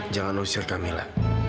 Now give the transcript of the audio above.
jangan ngusir kamila